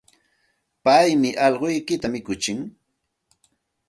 Paymi allquykita mikutsin.